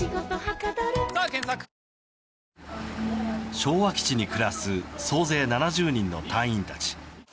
昭和基地に暮らす総勢７０人の隊員たち。